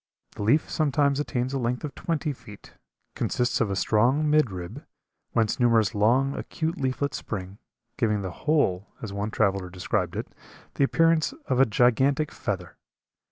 The leaf sometimes attains a length of twenty feet, consists of a strong mid rib, whence numerous long, acute leaflets spring, giving the whole, as one traveler described it, the appearance of a gigantic feather.